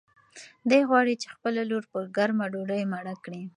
دی غواړي چې خپله لور په ګرمه ډوډۍ مړه کړي.